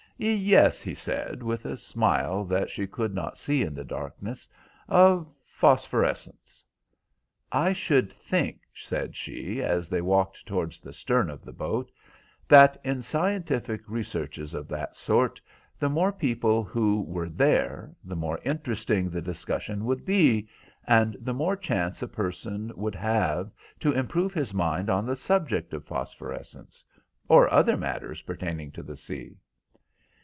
"Yes," he said, with a smile that she could not see in the darkness, "of phosphorescence." "I should think," said she, as they walked towards the stern of the boat, "that in scientific researches of that sort, the more people who were there, the more interesting the discussion would be, and the more chance a person would have to improve his mind on the subject of phosphorescence, or other matters pertaining to the sea."